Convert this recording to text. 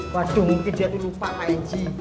waduh mungkin dia tuh lupa ig